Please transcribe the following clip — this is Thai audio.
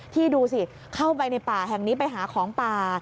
ที่ดูสิเข้าไปในป่าแห่งนี้ไปหาของป่า